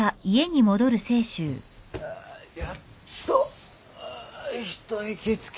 やっと一息つけた。